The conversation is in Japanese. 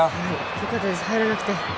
よかったです、入らなくて。